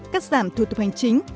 cắt giảm thu tập hành chính